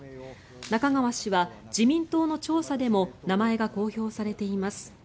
中川氏は自民党の調査でも名前が公表されています。